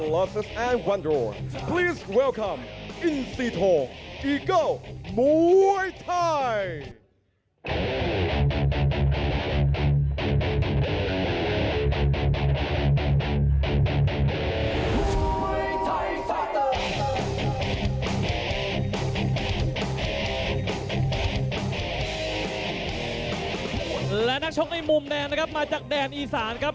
และนักชกในมุมแดนนะครับมาจากแดนอีสานครับ